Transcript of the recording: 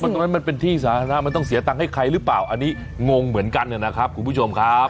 ตรงนั้นมันเป็นที่สาธารณะมันต้องเสียตังค์ให้ใครหรือเปล่าอันนี้งงเหมือนกันนะครับคุณผู้ชมครับ